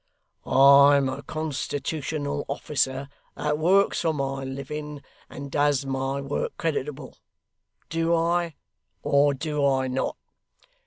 I'm a constitutional officer that works for my living, and does my work creditable. Do I, or do I not?